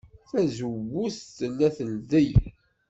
Tazewwut tella teldey.